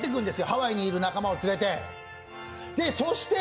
ハワイにいる仲間を連れて。